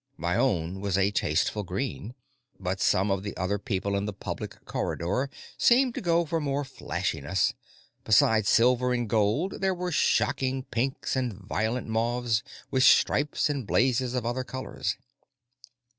My own was a tasteful green, but some of the other people in the public corridor seemed to go for more flashiness; besides silver and gold, there were shocking pinks and violent mauves, with stripes and blazes of other colors.